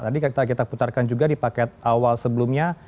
tadi kita putarkan juga di paket awal sebelumnya